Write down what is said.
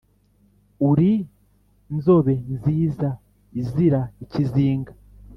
Uri nzobe nziza izira ikizinga